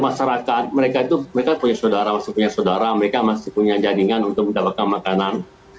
masyarakat mereka itu mereka punya saudara masih punya saudara mereka masih punya jaringan untuk mendapatkan makanan